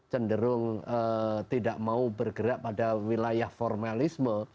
cenderung tidak mau bergerak pada wilayah formalisme